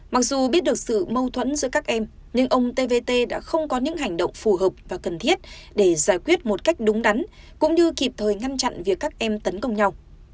mặc dù biết được sự mâu thuẫn giữa các em nhưng ông tvt đã không có những hành động phù hợp và cần thiết để giải quyết một cách đúng đắn cũng như kịp thời ngăn chặn việc các em tấn công nhau